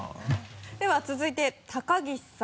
では続いて高岸さん。